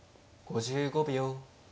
５５秒。